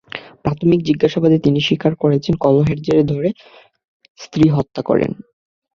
প্রাথমিক জিজ্ঞাসাবাদে তিনি স্বীকার করেছেন, কলহের জের ধরে স্ত্রীকে হত্যা করেন।